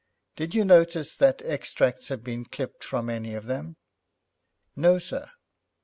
'Did you notice that extracts have been clipped from any of them?' 'No, sir.'